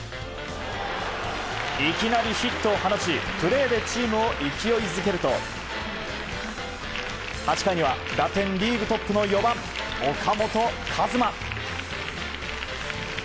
いきなりヒットを放ちプレーでチームを勢いづけると８回には打点リーグトップの４番、岡本和真。